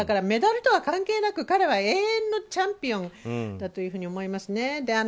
メダルとは関係なく彼は永遠のチャンピオンだと思いますね。